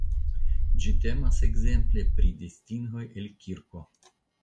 Ĝi temas ekzemple pri distingoj el kirko.